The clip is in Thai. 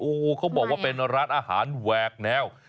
โอ้โหเขาบอกว่าเป็นร้านอาหารแหวกแนว